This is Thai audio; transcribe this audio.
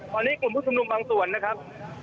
ตอนนี้กลุ่มผู้ชุมนุมบางส่วนนะครับ